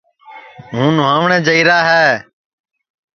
ہُوں نھُاٹؔیں جائیرا ہے